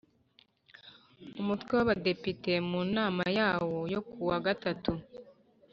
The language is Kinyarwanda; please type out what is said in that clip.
Umutwe w Abadepite mu nama yawo yo ku wa gatatu